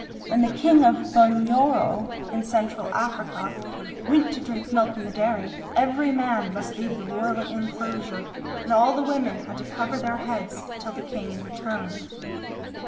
When the king of Bunyoro in Central Africa went to drink milk in the dairy, every man must leave the royal enclosure and all the women had to cover their heads till the king returned.